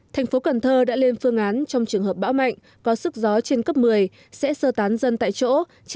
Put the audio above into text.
thành phố cần thơ đã lên phương án trong trường hợp bão mạnh có sức gió trên cấp một mươi sẽ sơ tán dân tại chỗ